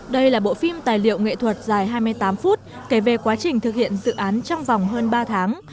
đây là bộ phim tài liệu nghệ thuật dài hai mươi tám phút kể về quá trình thực hiện dự án trong vòng hơn ba tháng